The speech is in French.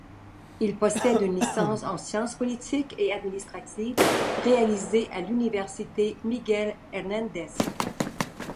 Il possède une licence en sciences politiques et administratives réalisée à l'université Miguel-Hernández.